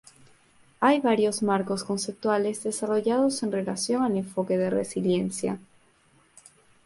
Hay varios marcos conceptuales desarrollados en relación al enfoque de resiliencia.